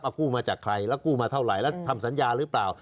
กู้มาจากใครแล้วกู้มาเท่าไหร่แล้วทำสัญญาหรือเปล่า